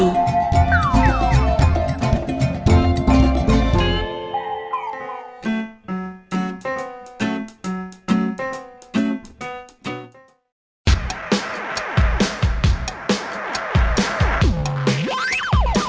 ตอนนี้คือดวัสดุกราศน์ใบน้ำจ๊วยจานเบอร์